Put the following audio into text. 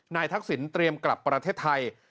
ทักษิณเตรียมกลับประเทศไทย